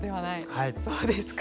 そうですか。